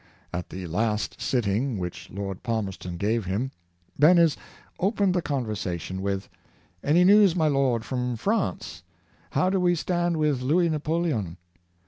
At the last sitting which Lord Palmerston gave him, Behnes opened the conversation with —'' Any news, my lord, from France? How do we stand with Louis Napoleon?